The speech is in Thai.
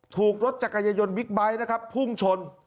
ถูกรถจักรยายนบิ๊กไบท์นะครับพุ่งชน